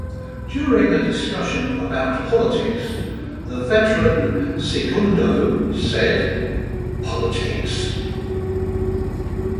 During a discussion about politics, the veteran Segundo said: Politics?